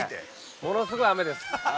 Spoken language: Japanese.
ものすごい雨です。